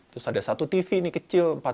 terus ada satu tv ini kecil